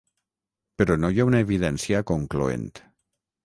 Però no hi ha una evidència concloent.